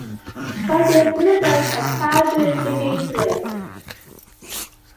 What is the universe and how do we fit into it?